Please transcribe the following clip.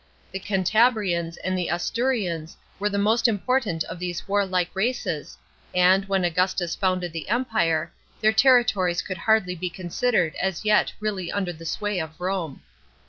The Cantabrians and the Asturians were the most important of these warlike races, and. when Augustus founded the Empire, their territories could hardly be considered as yet really under the sway of Rome.